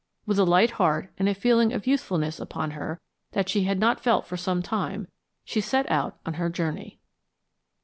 With a light heart and a feeling of youthfulness upon her that she had not felt for some time, she set out on her journey.